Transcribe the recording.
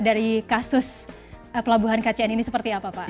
dari kasus pelabuhan kcn ini seperti apa pak